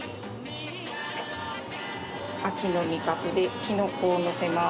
秋の味覚でキノコをのせます。